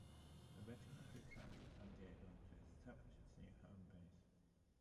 The regiment returned to San Diego to establish its new home base.